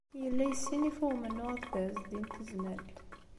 Yella yessinif i umennuɣ akked Ɛezdin n Tezmalt.